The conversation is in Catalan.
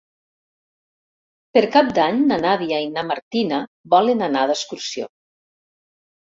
Per Cap d'Any na Nàdia i na Martina volen anar d'excursió.